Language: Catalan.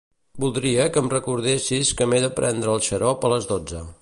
Voldria que em recordessis que m'he de prendre el xarop a les dotze.